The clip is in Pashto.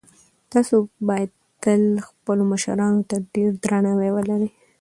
تاسو باید تل خپلو مشرانو ته ډېر درناوی ولرئ.